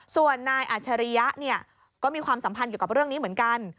ส่วนนายอัจฉริยะเนี่ยก็มีความสัมพันธ์เกี่ยวกับเรื่องนี้เหมือนกัน